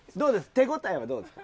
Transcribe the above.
手応えはどうですか？